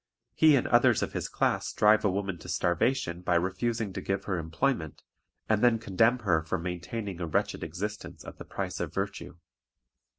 He and others of his class drive a woman to starvation by refusing to give her employment, and then condemn her for maintaining a wretched existence at the price of virtue.